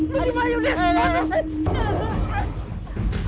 lu dimayun deh